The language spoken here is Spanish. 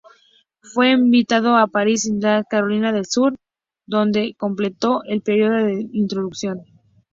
Fue enviado a Parris Island, Carolina del Sur, donde completo el periodo de instrucción.